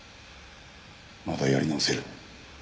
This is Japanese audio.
まだやり直せる。